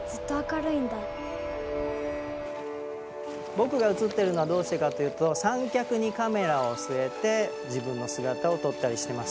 僕が写ってるのはどうしてかっていうと三脚にカメラを据えて自分の姿を撮ったりしてます。